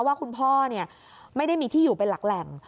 ว่าคุณพ่อไม่ได้มีที่อยู่เป็นหลักแหล่ง